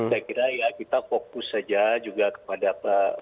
saya kira ya kita fokus saja juga kepada pak